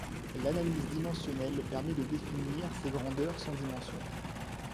L'analyse dimensionnelle permet de définir ces grandeurs sans dimension.